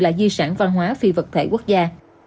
là di sản văn hóa phi vật thể quốc gia